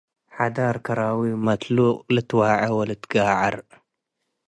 ሐዳር ከራዊ - መትሉቅ ልትወዔ ወልትገዐር፣